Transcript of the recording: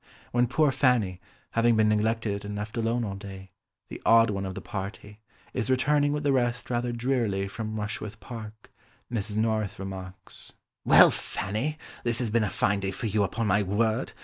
When poor Fanny, having been neglected and left alone all day, the odd one of the party, is returning with the rest rather drearily from Rushworth Park, Mrs. Norris remarks— "Well, Fanny, this has been a fine day for you, upon my word!